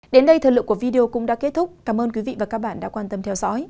đến đây thời lượng của video cũng đã kết thúc cảm ơn quý vị và các bạn đã quan tâm theo dõi